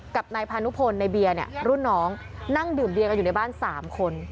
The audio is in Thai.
กับนายพานุพลในเบียร์เนี่ยรุ่นน้องนั่งดื่มเบียกันอยู่ในบ้าน๓คน